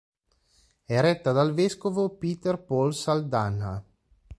È retta dal vescovo Peter Paul Saldanha.